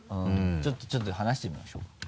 ちょっと話してみましょうか。